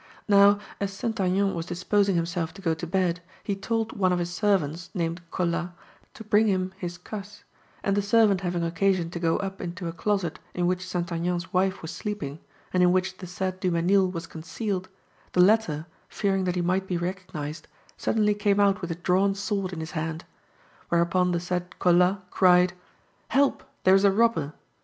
Now, as St. Aignan was disposing himself to go to bed, he told one of his servants, named Colas, to bring him his cas (4) and the servant having occasion to go up into a closet in which St. Aignan's wife was sleeping, and in which the said Dumesnil was concealed, the latter, fearing that he might be recognised, suddenly came out with a drawn sword in his hand; whereupon the said Colas cried: 'Help! There is a robber!